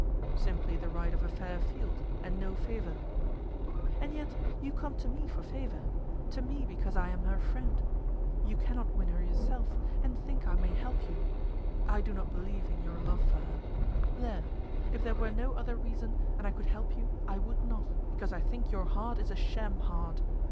"Simply the right of a fair field, and no favour." "And yet you come to me for favour, to me, because I am her friend. You cannot win her yourself, and think I may help you! I do not believe in your love for her. There! If there were no other reason, and I could help you, I would not, because I think your heart is a sham heart.